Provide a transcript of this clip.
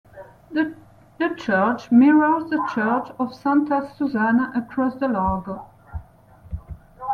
The church mirrors the Church of Santa Susanna across the Largo.